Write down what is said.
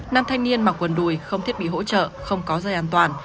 nam thanh niên mặc quần đùi không thiết bị hỗ trợ không có dây an toàn